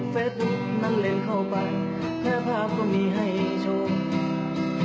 เฟซบุ๊กนั้นเล่นเข้าไปแค่ภาพก็มีให้ชม